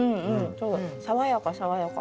そう爽やか爽やか。